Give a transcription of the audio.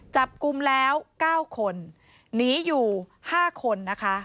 จับกุมแล้ว๙คนหนีอยู่๕คน